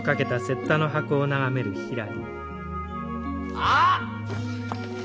・あっ！